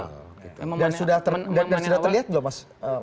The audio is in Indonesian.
dan sudah terlihat belum mas